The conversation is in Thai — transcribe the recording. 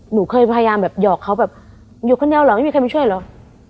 หนูเคยพยายามแบบหยอกเขาแบบอยู่คนเดียวเหรอไม่มีใครมาช่วยเหรอ